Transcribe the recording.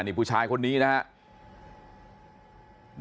นี่ผู้ชายคนนี้นะครับ